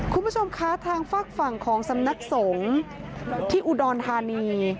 คุณผู้ชมคะทางฝากฝั่งของสำนักสงฆ์ที่อุดรธานี